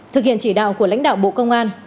thực hiện chỉ đạo của lãnh đạo bộ công an